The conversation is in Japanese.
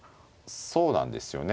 そうなんですよね。